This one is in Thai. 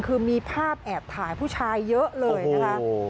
คือมีภาพแอบถ่ายผู้ชายเยอะเลยนะคะ